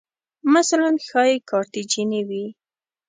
مثلاً ښایي کارتیجني وې